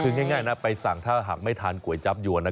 คือง่ายนะไปสั่งถ้าหากไม่ทานก๋วยจับยวน